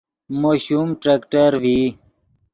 مو شوم ٹریکٹر ڤئی